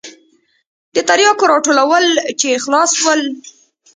د ترياکو راټولول چې خلاص سول.